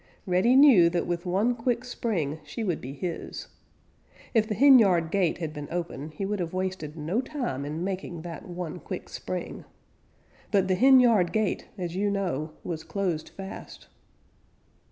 Reddy knew that with one quick spring she would be his. If the henyard gate had been open, he would have wasted no time in making that one quick spring. But the henyard gate, as you know, was closed fast.